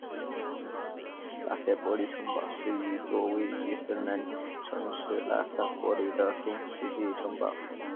拉塞博里城堡是一座位于芬兰城市拉塞博里的中世纪城堡。